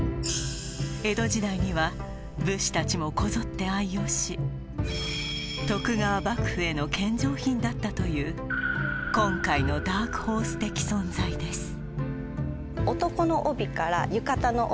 江戸時代には武士たちもこぞって愛用し徳川幕府への献上品だったという今回のダークホース的存在です男の帯から浴衣の帯